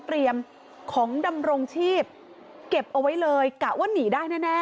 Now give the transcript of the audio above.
เตรียมของดำโรงชีพเก็บเอาไว้เลยกะว่าหนีได้แน่แน่